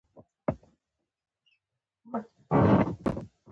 له هغو څخه مې خوند اخيست.